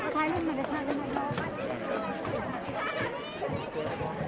นี่มาดูสิ